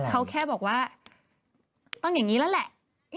เขาแค่บอกว่าต้องอย่างนี้แล้วแหละ